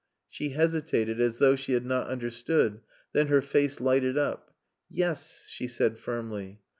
She hesitated as though she had not understood, then her face lighted up. "Yes," she said firmly.